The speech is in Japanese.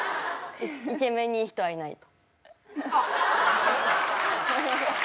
「イケメンにいい人はいない」あっ。